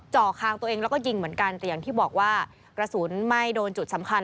คางตัวเองแล้วก็ยิงเหมือนกันแต่อย่างที่บอกว่ากระสุนไม่โดนจุดสำคัญ